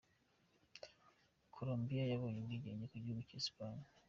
Colombiya yabonye ubwigenge ku gihugu cya Espanyi.